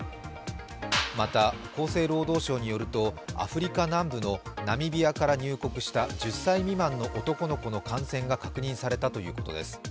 また厚生労働省によるとアフリカ南部のナミビアから入国した１０歳未満の男の子の感染が確認されたということです。